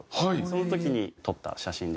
その時に撮った写真ですね。